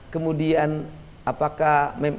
kemudian apakah meme